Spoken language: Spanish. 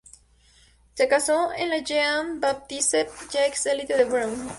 Se casó con Jean-Baptiste-Jacques Élie de Beaumont.